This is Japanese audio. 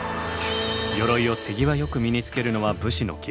鎧を手際よく身につけるのは武士の基本のはず。